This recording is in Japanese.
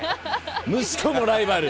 息子もライバル。